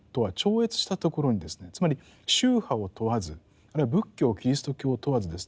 つまり宗派を問わずあるいは仏教キリスト教を問わずですね